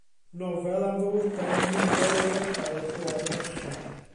Nofel am fywydau amrywiol aelodau o gôr merched.